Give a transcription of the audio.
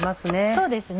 そうですね